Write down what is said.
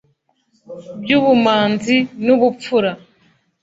by’ubumanzi n’ubupfura